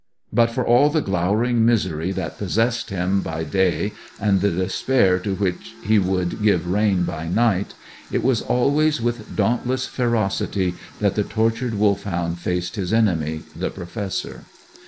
But, for all the glowering misery that possessed him by day and the despair to which he would give rein by night, it was always with dauntless ferocity that the tortured Wolfhound faced his enemy, the Professor.